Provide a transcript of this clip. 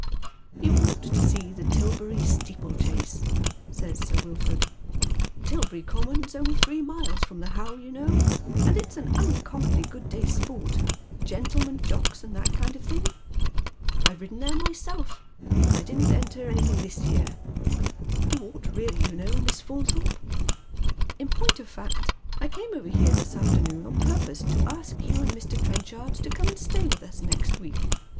"You ought to see Tilberry steeplechase," says Sir Wilford. " Tilberry Common's only three miles from the How, you know, and it's an uncommonly good day's sport, gentlemen jocks, and that kind of thing. I've ridden there myself, but I didn't enter Marion is raised to Distinction, 187 anjihincf this year. You ought really, you know, Miss Faun thorpe ; in point of fact, I came over here this afternoon on purpose to ask you and IVIr. Trenchard to come and stay with ub, next week.